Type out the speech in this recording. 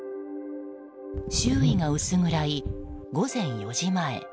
周囲がうす暗い、午前４時前。